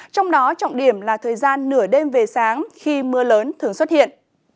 trong đó trọng điểm là thời gian nửa đêm về sáng khi mưa lớn thường xuất hiện